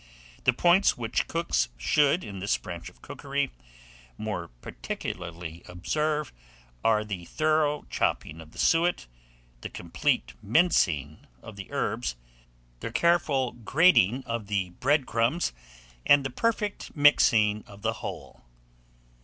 The points which cooks should, in this branch of cookery, more particularly observe, are the thorough chopping of the suet, the complete mincing of the herbs, the careful grating of the bread crumbs, and the perfect mixing of the whole.